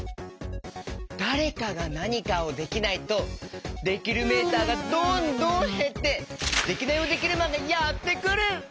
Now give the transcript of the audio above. だれかがなにかをできないとできるメーターがどんどんへってデキナイヲデキルマンがやってくる！